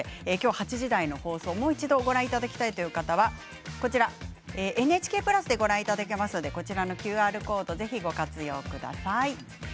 ８時台の放送をもう一度ご覧いただきたいという方はＮＨＫプラスでご覧いただけますので、こちらのＱＲコードをぜひご活用ください。